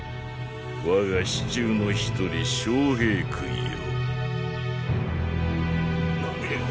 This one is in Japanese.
我が四柱の一人昌平君よ。